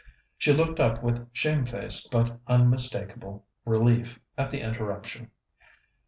She looked up with shamefaced but unmistakable relief at the interruption.